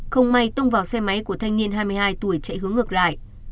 không may tông vào xe máy của thanh niên hai mươi hai tuổi chạy hướng ngược lại